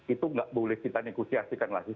itu nggak boleh kita negosiasikan lah sih